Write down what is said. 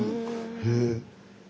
へえ。